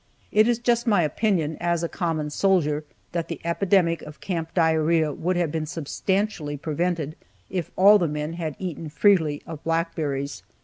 It is just my opinion, as a common soldier, that the epidemic of camp diarrhea could have been substantially prevented if all the men had eaten freely of blackberries.